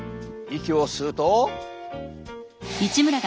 息を吸うと。